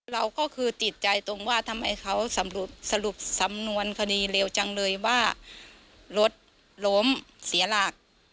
เราก็คือติดใจตรงว่าทำไมเขาสรุปสำนวนคดีเร็วจังเลยว่ารถล้มเสียหลัก